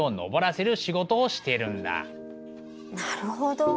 なるほど。